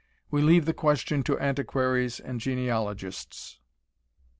We leave the question to antiquaries and genealogists.